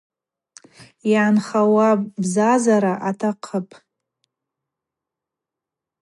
Йгӏанхауа бзазара атахъыпӏ.